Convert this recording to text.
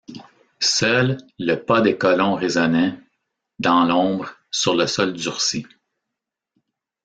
Seul, le pas des colons résonnait, dans l’ombre, sur le sol durci